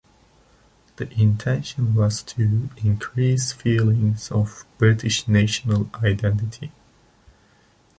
The intention was to increase feelings of British national identity.